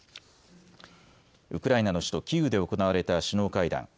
ウクライナの首都キーウで行われた首脳会談。